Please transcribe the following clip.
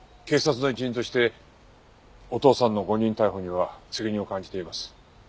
警察の一員としてお父さんの誤認逮捕には責任を感じています。